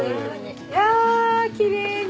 いやきれいに！